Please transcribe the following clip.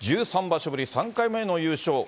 １３場所ぶり３回目の優勝。